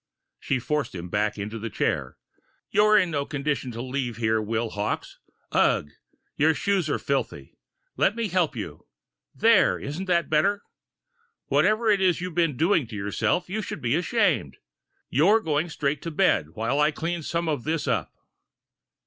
She forced him back into the chair. "You're in no condition to leave here, Will Hawkes. Ugh! Your shoes are filthy. Let me help you ... there, isn't that better? Whatever you've been doing to yourself, you should be ashamed. You're going straight to bed while I clean some of this up!"